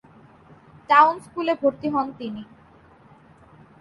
Town স্কুলে ভর্তি হন তিনি।